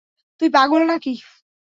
তুই পাগল নাকি?